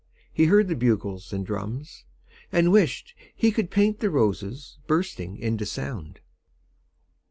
He heard the bugles and drums, And wished he could paint the roses Bursting into sound.